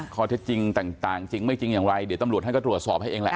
ข้อเท็จจริงต่างจริงไม่จริงอย่างไรเดี๋ยวตำรวจท่านก็ตรวจสอบให้เองแหละ